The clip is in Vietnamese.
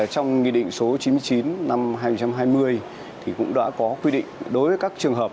trong nghị định số chín mươi chín năm hai nghìn hai mươi thì cũng đã có quy định đối với các trường hợp